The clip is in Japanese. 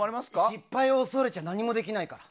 失敗を恐れちゃ何もできないから。